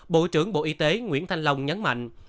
bộ trưởng bộ y tế nguyễn thanh long nhấn mạnh